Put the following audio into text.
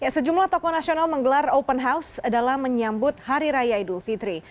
sejumlah tokoh nasional menggelar open house dalam menyambut hari raya idul fitri